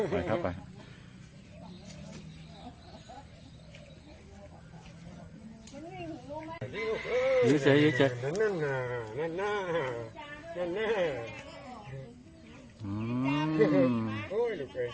มามาออกมาเร็ว